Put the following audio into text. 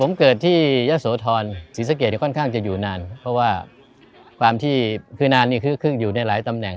ผมเกิดที่ยะโสธรสีสะเกียร์ยังค่อนข้างจะอยู่นานเพราะว่าความที่คือนานอยู่ในหลายตำแหน่ง